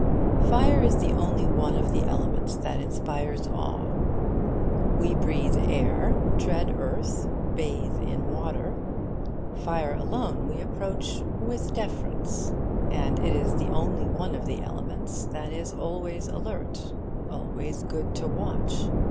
Fire is the only one of the elements that inspires awe. We breathe air, tread earth, bathe in water. Fire alone we approach with deference. And it is the only one of the elements that is always alert, always good to watch.